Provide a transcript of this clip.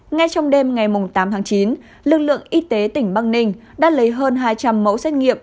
ngay trong đêm ngày tám tháng chín lực lượng y tế tỉnh bắc ninh đã lấy hơn hai trăm linh mẫu xét nghiệm